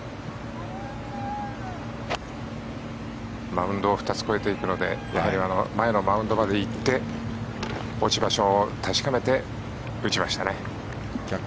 マウンドを２つ越えていくのでやはり前のマウンドまで行って落ち場所を確かめて打ちましたね。